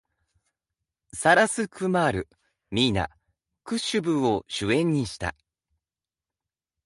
サラス・クマール、ミーナ、クッシュブーを主演にした。